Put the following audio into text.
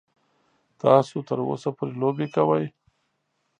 تاسو تر اوسه پورې لوبې کوئ.